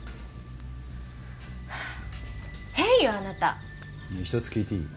変よあなた。ねぇひとつ聞いていい？